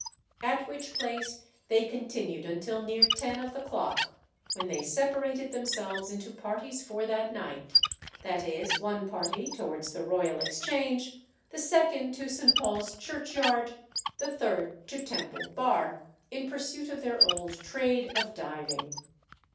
At which place they continued until near ten of the clock, when they separated themselves into parties for that night, viz., one party towards the Royal Exchange, the second to St. Paul's Churchyard, the third to Temple Bar, in pursuit of their old trade of diving.